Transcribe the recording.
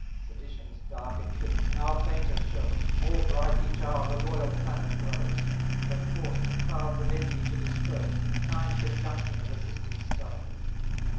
930 Sedition's dark eclipse now fainter shows, More bright each hour the royal planet grows, Of force the clouds of envy to disperse, In kind conjunction of assisting stars.